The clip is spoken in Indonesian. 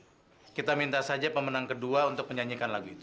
ya kita minta saja pemenang kedua untuk menyanyikan lagu itu